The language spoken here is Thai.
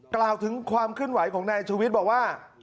กล่าวถึงความขึ้นไหวของนายชวิตบอกว่า